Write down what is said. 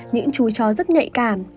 những chú chó rất nhạy cảm